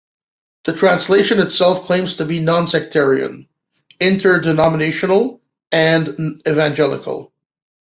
The translation itself claims to be non-sectarian, "inter-denominational" and evangelical.